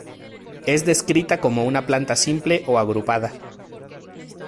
Es descrita como una planta simple o agrupada.